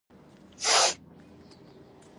دوی ممکن جګړه مقدسه جګړه وبولي.